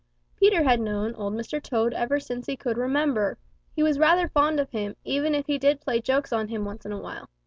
Peter had known Old Mr. Toad ever since he could remember. He was rather fond of him, even if he did play jokes on him once in a while.